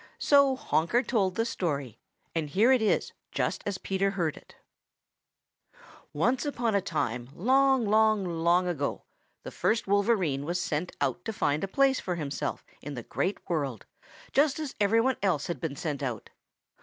So Honker told the story, and here it is just as Peter heard it. "Once upon a time long, long, long ago, the first Wolverine was sent out to find a place for himself in the Great World just as every one else had been sent out.